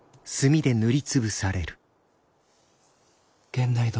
源内殿。